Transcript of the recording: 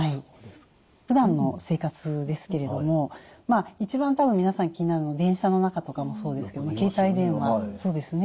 ふだんの生活ですけれども一番多分皆さん気になるのは電車の中とかもそうですけど携帯電話。